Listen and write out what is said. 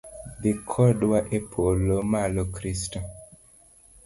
Dhi kodwa epolo malo Kristo